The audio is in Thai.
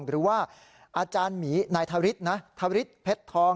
หรือว่าอาจารย์หมีนายธริสนะธริสเพชรทอง